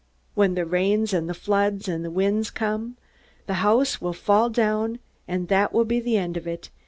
When the rains and the floods and the winds come, the house will fall down and that will be the end of it.